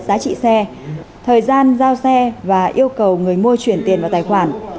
giá trị xe thời gian giao xe và yêu cầu người mua chuyển tiền vào tài khoản